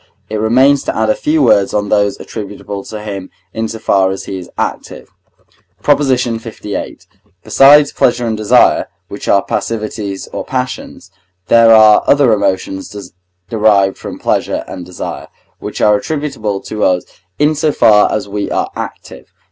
It remains to add a few words on those attributable to him in so far as he is active. PROP. LVIII. Besides pleasure and desire, which are passivities or passions, there are other emotions derived from pleasure and desire, which are attributable to us in so far as we are active.